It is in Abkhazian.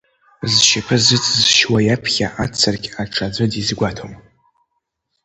Зшьапы зыҵызшьуа иаԥхьа, ацыркь аҽаӡәы дизгәаҭом.